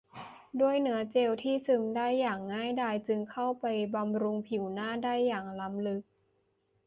ด้วยเนื้อเจลที่ซึมได้อย่างง่ายดายจึงเข้าไปบำรุงผิวหน้าได้อย่างล้ำลึก